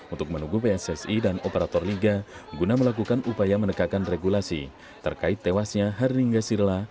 untuk menunggu pssi dan operator liga guna melakukan upaya menegakkan regulasi terkait tewasnya haringga sirla